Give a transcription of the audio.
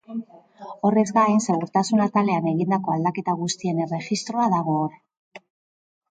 Horrez gain, segurtasun atalean egindako aldaketa guztien erregistroa dago hor.